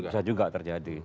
bisa juga terjadi